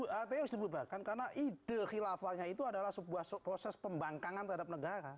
hti harus dibubarkan karena ide khilafahnya itu adalah sebuah proses pembangkangan terhadap negara